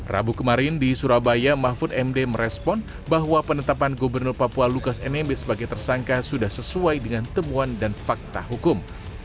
rabu kemarin di surabaya mahfud md merespon bahwa penetapan gubernur papua lukas nmb sebagai tersangka sudah sesuai dengan temuan dan fakta hukum